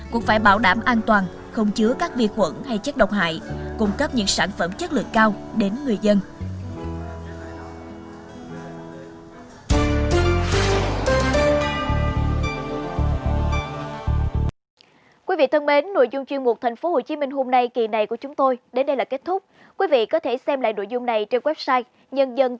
cũng phải bảo đảm an toàn không chứa các vi khuẩn hay chất độc hại cung cấp những sản phẩm chất lượng cao đến người dân